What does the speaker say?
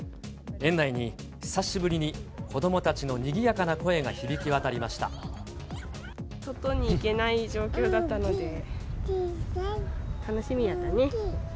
園内に久しぶりに子どもたちのに外に行けない状況だったので、楽しみやったね。